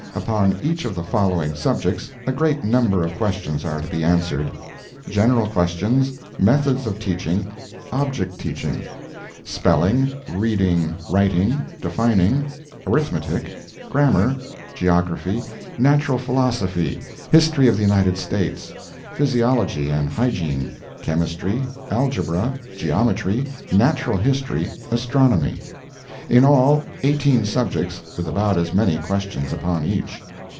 Upon each of the following subjects a great number of questions are to be answered: General questions, methods of teaching, object teaching; spelling, reading, writing, defining, arithmetic, grammar, geography, natural philosophy, history of the United States, physiology and hygiene, chemistry, algebra, geometry, natural history, astronomy—in all, eighteen subjects, with about as many questions upon each.